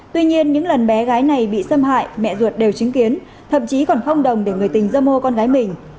tuy nhiên những lần bé gái này bị xâm hại mẹ ruột đều chứng kiến thậm chí còn không đồng để người tình dâm ô con gái mình